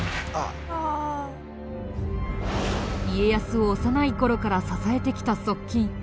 家康を幼い頃から支えてきた側近鳥居元忠。